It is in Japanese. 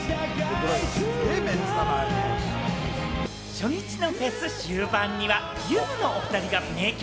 初日のフェス終盤には、ゆずのおふたりが名曲